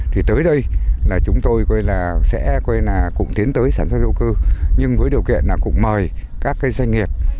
thì tới đây là chúng tôi sẽ cũng tiến tới sản xuất hữu cư nhưng với điều kiện là cũng mời các cái doanh nghiệp